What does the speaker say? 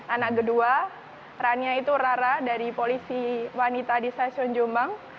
anak kedua rania itu rara dari polisi wanita di stasiun jombang